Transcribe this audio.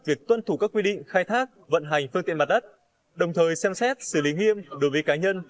việc tuân thủ các quy định khai thác vận hành phương tiện mặt đất đồng thời xem xét xử lý nghiêm đối với cá nhân